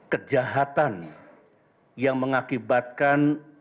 kejahatan yang mengakibatkan